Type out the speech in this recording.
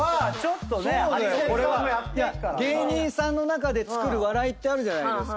芸人さんの中でつくる笑いってあるじゃないですか。